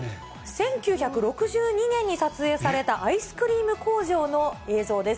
１９６２年に撮影されたアイスクリーム工場の映像です。